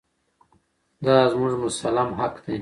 دا زموږ مسلم حق دی.